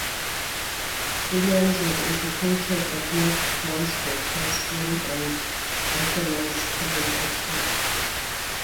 Williams was educated at North Bromsgrove High School and Brasenose College, Oxford.